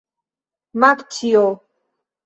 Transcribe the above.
Makĉjo!